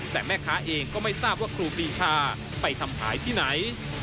แต่แม่ค้าเองก็ไม่ทราบว่าครูปีชาไปทำขายที่ไหน